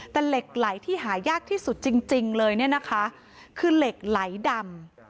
แต่เหล็กไหลที่หายากที่สุดจริงเลยเนี่ยนะคะคือเหล็กไหลดำ